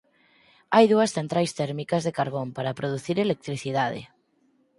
Hai dúas centrais térmicas de carbón para producir electricidade.